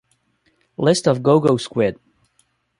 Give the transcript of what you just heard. List of Go Go Squid!